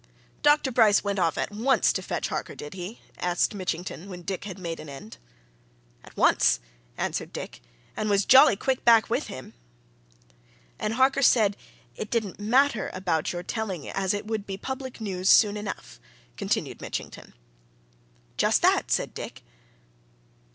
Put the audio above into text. "Dr. Bryce went off at once to fetch Harker, did he?" asked Mitchington, when Dick had made a end. "At once," answered Dick. "And was jolly quick back with him!" "And Harker said it didn't matter about your telling as it would be public news soon enough?" continued Mitchington. "Just that," said Dick.